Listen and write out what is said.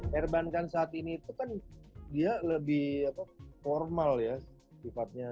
perbankan saat ini itu kan dia lebih formal ya sifatnya